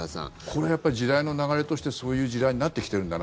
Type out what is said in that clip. これはやっぱり時代の流れとしてそういう時代になってきてるんだ